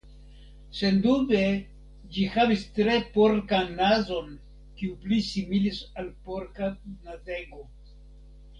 Sendube ĝi havis tre porkan nazon, kiu pli similis al porka nazego.